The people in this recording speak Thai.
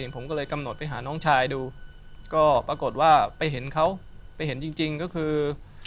ผมก็เลยกำหนดไปหาน้องชายดูก็ปรากฏว่าไปเห็นเขาไปเห็นจริงก็คือ